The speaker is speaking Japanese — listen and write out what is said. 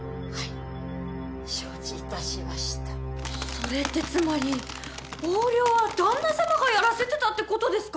それってつまり横領は旦那様がやらせてたって事ですか？